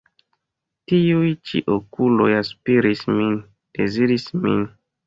Tiuj ĉi okuloj aspiris min, deziris min.